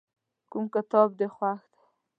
کوم کتاب دې خوښ دی.